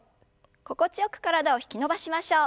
心地よく体を引き伸ばしましょう。